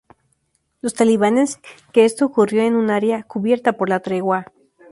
Los talibanes que esto ocurrió en un área cubierta por la tregua.